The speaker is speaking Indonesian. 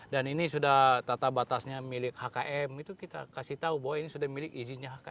dan ini sudah tata batasnya milik hkm itu kita kasih tahu bahwa ini sudah milik izinnya hkm